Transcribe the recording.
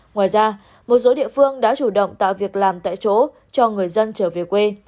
ngoài ra một số địa phương đã chủ động tạo việc làm tại chỗ cho người dân trở về quê